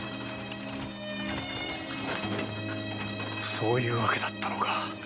そういうわけだったのか。